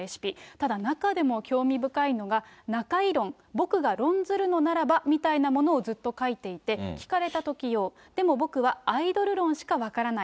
ただ中でも興味深いのが、中居論、僕が論ずるのならばみたいなものをずっと書いていて、聞かれたとき用、でも、僕はアイドル論しか分からない。